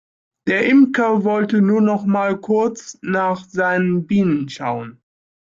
Der Imker wollte nur noch mal kurz nach seinen Bienen schauen.